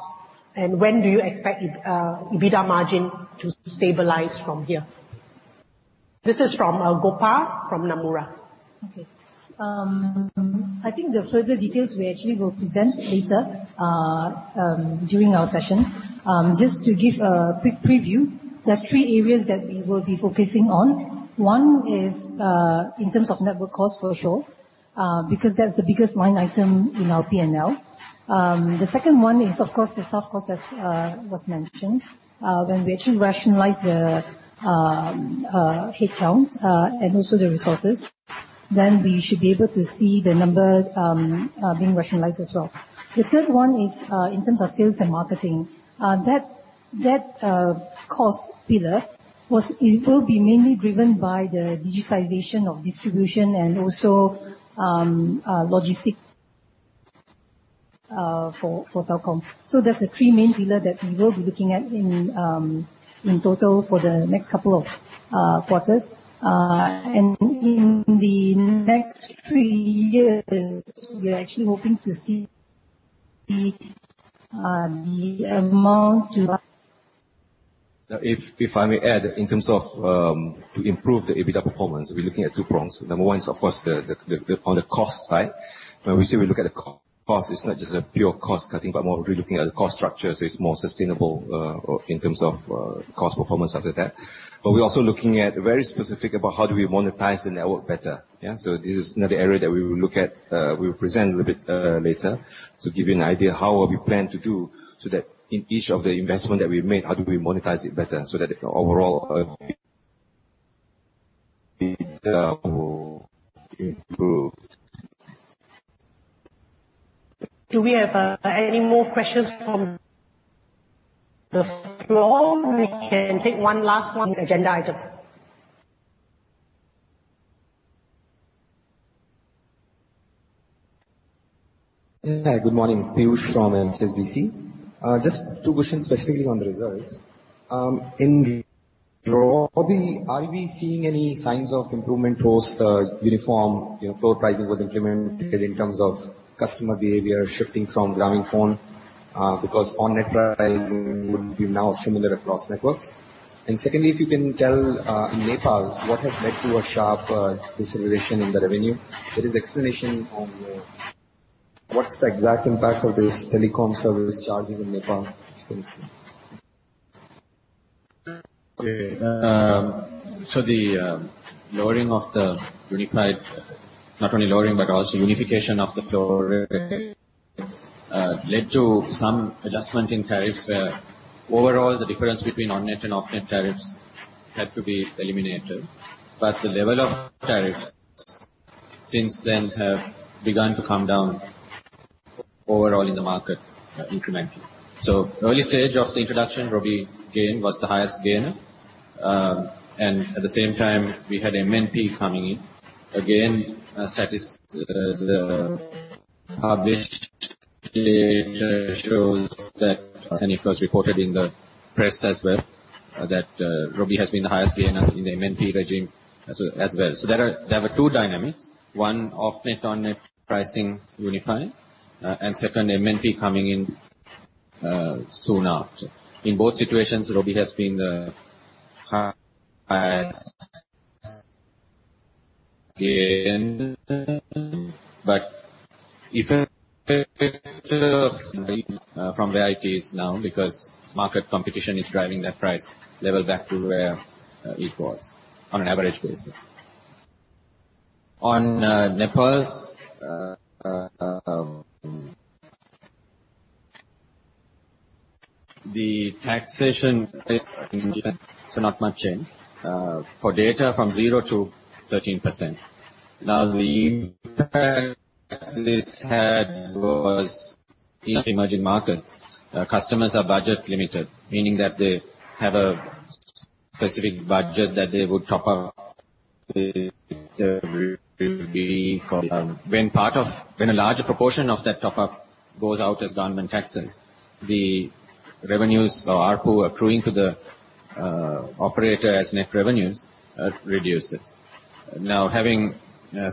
and when do you expect EBITDA margin to stabilize from here? This is from Gopa from Nomura. Okay. I think the further details we actually will present later during our session. Just to give a quick preview, there's three areas that we will be focusing on. One is in terms of network cost for sure because that's the biggest line item in our P&L. The second one is, of course, the staff cost as was mentioned. When we actually rationalize the headcount, and also the resources, then we should be able to see the number being rationalized as well. The third one is in terms of sales and marketing. That cost pillar will be mainly driven by the digitization of distribution and also logistic for Celcom. That's the three main pillar that we will be looking at in total for the next couple of quarters. In the next three years, we're actually hoping to see the amount. If I may add, in terms of to improve the EBITDA performance, we're looking at two prongs. Number one is, of course, on the cost side. When we say we look at the cost, it's not just a pure cost cutting, but more really looking at the cost structure, so it's more sustainable in terms of cost performance after that. We're also looking at very specific about how do we monetize the network better. Yeah. This is another area that we will look at. We'll present a little bit later to give you an idea how we plan to do so that in each of the investment that we made, how do we monetize it better. Do we have any more questions from the floor? We can take one last one agenda item. Hi, good morning. Piyush from HSBC. Just two questions specifically on the results. Are we seeing any signs of improvement post uniform floor pricing was implemented in terms of customer behavior shifting from grabbing phone? On net pricing would be now similar across networks. Secondly, if you can tell, in Nepal, what has led to a sharp deceleration in the revenue? If there is explanation on what's the exact impact of this telecom service charges in Nepal. Okay. The lowering of the unified, not only lowering but also unification of the floor led to some adjustment in tariffs where overall the difference between on-net and off-net tariffs had to be eliminated. The level of tariffs since then have begun to come down overall in the market incrementally. Early stage of the introduction, Robi gain was the highest gainer. At the same time, we had MNP coming in. Again, the published data shows that, and it was reported in the press as well, that Robi has been the highest gainer in the MNP regime as well. There were two dynamics. One, off-net, on-net pricing unifying, and second, MNP coming in soon after. In both situations, Robi has been the highest gainer. Even from where it is now, because market competition is driving that price level back to where it was on an average basis. On Nepal, the taxation, not much change. For data from 0 to 13%. The impact this had was these emerging markets. Customers are budget limited, meaning that they have a specific budget that they would top up. When a larger proportion of that top-up goes out as government taxes, the revenues or ARPU accruing to the operator as net revenues reduces. Having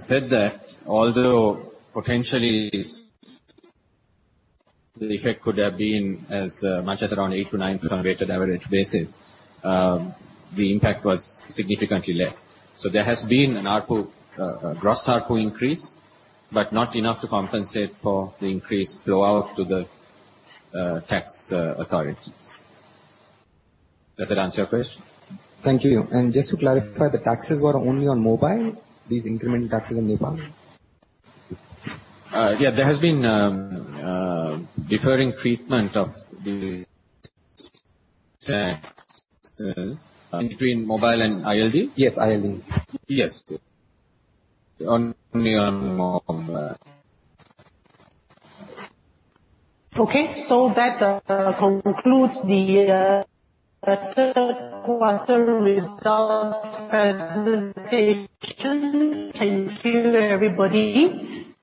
said that, although potentially the effect could have been as much as around 8%-9% weighted average basis, the impact was significantly less. There has been a gross ARPU increase, but not enough to compensate for the increased flow out to the tax authorities. Does that answer your question? Thank you. Just to clarify, the taxes were only on mobile, these increment taxes in Nepal? Yeah, there has been deferring treatment of these taxes between mobile and ILD? Yes, ILD. Yes. Only on mobile. Okay, that concludes the third quarter results presentation. Thank you, everybody.